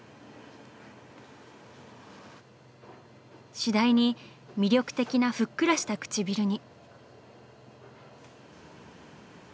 次第に魅力的なふっくらした唇に。